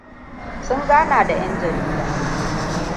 Sun gana da ƴan jarida.